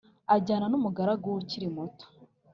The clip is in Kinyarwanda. ajyana n umugaragu we ukiri muto